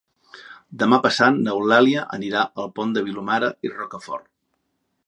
Demà passat n'Eulàlia anirà al Pont de Vilomara i Rocafort.